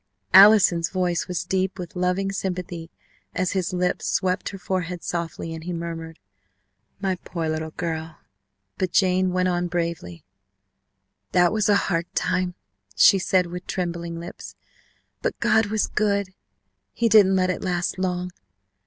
'" Allison's voice was deep with loving sympathy as his lips swept her forehead softly and he murmured, "My poor little girl!" but Jane went bravely on. "That was a hard time," she said with trembling lips, "but God was good; he didn't let it last long.